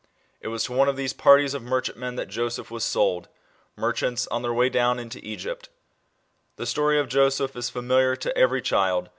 It was to one of these parties of merchantmen, bhat Joseph was sold merchants, on their way down into Egypt. The story of Joseph is familiar to every child.